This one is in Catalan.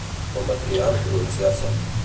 Quant va trigar en pronunciar-se?